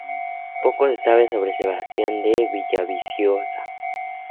Poco se sabe sobre Sebastián de Villaviciosa.